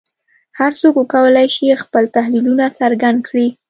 هر څوک وکولای شي خپل تحلیلونه څرګند کړي